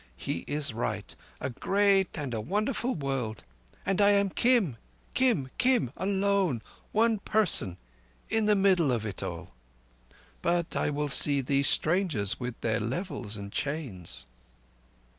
He is right—a great and a wonderful world—and I am Kim—Kim—Kim—alone—one person—in the middle of it all. But I will see these strangers with their levels and chains..."